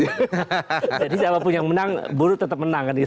jadi siapapun yang menang buru tetap menang kan gitu